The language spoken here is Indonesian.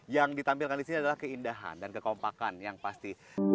yang ditampilkan disini adalah keindahan dan kekompakan yang pasti